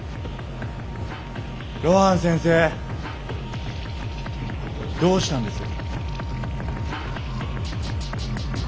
露伴先生どうしたんです？